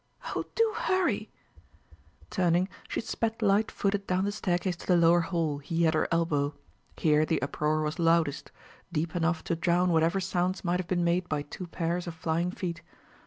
"Oh, do hurry!" Turning, she sped light footed down the staircase to the lower hall, he at her elbow. Here the uproar was loudest deep enough to drown whatever sounds might have been made by two pairs of flying feet.